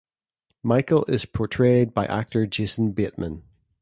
Michael is portrayed by actor Jason Bateman.